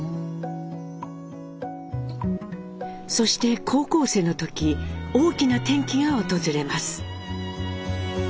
そして高校生の時大きな転機が訪れます。